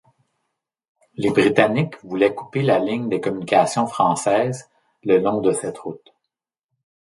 Les Britanniques voulaient couper la ligne des communications françaises, le long de cette route.